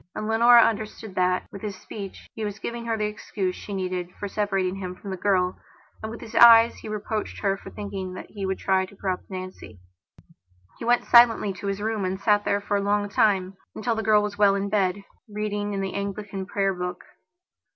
And Leonora understood that, with his speech, he was giving her the excuse that she needed for separating him from the girl, and with his eyes he was reproaching her for thinking that he would try to corrupt Nancy. He went silently up to his room and sat there for a long timeuntil the girl was well in bedreading in the Anglican prayer book.